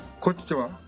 こっちは？